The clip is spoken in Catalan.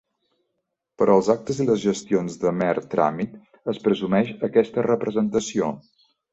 Per als actes i les gestions de mer tràmit es presumeix aquesta representació.